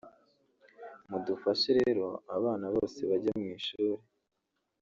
Mudufashe rero abana bose bajye mu ishuri